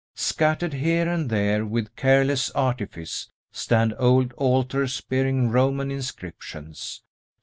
Scattered here and there with careless artifice, stand old altars bearing Roman inscriptions.